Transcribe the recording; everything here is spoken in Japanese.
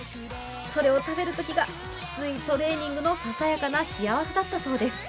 それを食べるときがきついトレーニングのささやかな幸せだったそうです。